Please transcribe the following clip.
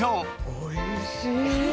おいしい。